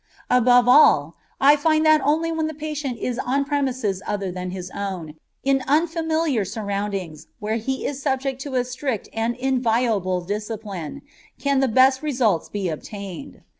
Above all, I find that only when the patient is on premises other than his own, in unfamiliar surroundings where he is subject to a strict and inviolable discipline, can the best results be obtained.